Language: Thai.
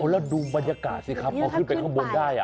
แล้วดูบรรยากาศสิครับพอขึ้นไปข้างบนได้